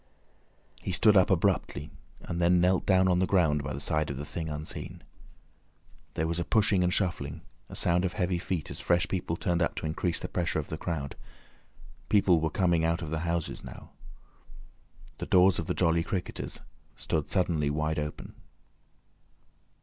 He stood up abruptly and then knelt down on the ground by the side of the thing unseen. There was a pushing and shuffling, a sound of heavy feet as fresh people turned up to increase the pressure of the crowd. People now were coming out of the houses. The doors of the "Jolly Cricketers" stood suddenly wide open.